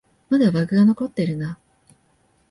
まだバグが残ってるな